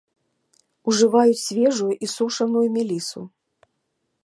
Ужываюць свежую і сушаную мелісу.